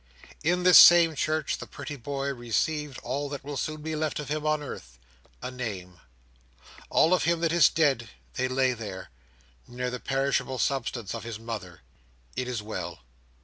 In this same church, the pretty boy received all that will soon be left of him on earth—a name. All of him that is dead, they lay there, near the perishable substance of his mother. It is well.